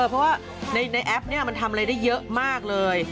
เพราะว่าในแอปนี้มันทำอะไรได้เยอะมากเลย